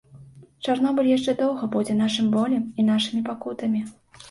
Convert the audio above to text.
Чарнобыль яшчэ доўга будзе нашым болем і нашымі пакутамі.